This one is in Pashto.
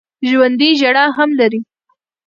ژوندي ژړا هم لري